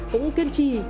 cũng kiên trì